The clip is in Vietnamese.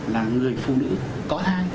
là người phụ nữ có thai